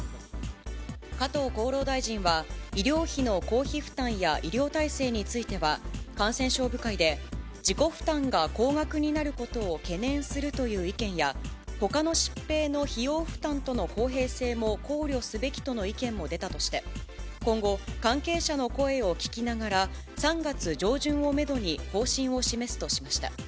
加藤厚労大臣は、医療費の公費負担や医療体制については、感染症部会で自己負担が高額になることを懸念するという意見や、ほかの疾病の費用負担との公平性も考慮すべきとの意見も出たとして、今後、関係者の声を聞きながら、３月上旬をメドに、方針を示すとしました。